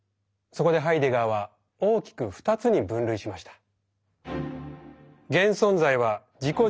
そこでハイデガーは大きく２つに分類しました。